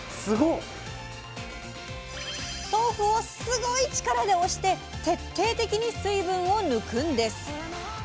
豆腐をすごい力で押して徹底的に水分を抜くんです！